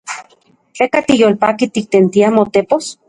¿Tleka tiyolpaki tiktentia motepos?